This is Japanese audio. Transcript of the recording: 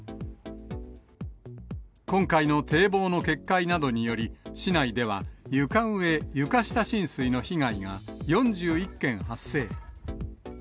今回の堤防の決壊などにより、市内では床上・床下浸水の被害が４１件発生。